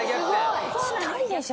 １人でしょ